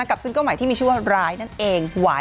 กับซึ่งเก้าหมายที่มีชื่อว่าร้ายนั่นเอง